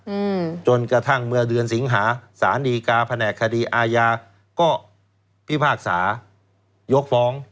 อืมจนกระทั่งเมื่อเดือนสิงหาสารดีกาแผนกคดีอาญาก็พิพากษายกฟ้อง